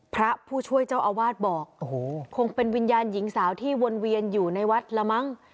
พระผู้ช่วยเจ้าอาวาสบอกโอ้โหคงเป็นวิญญาณหญิงสาวที่วนเวียนอยู่ในวัดละมั้ง